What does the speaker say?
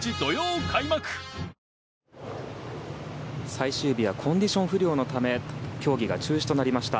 最終日はコンディション不良のため競技が中止となりました。